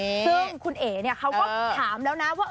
ซึ่งคุณเอ๋เขาก็ถามแล้วนะว่า